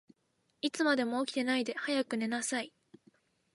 いつまでも起きてないで、早く寝なさい。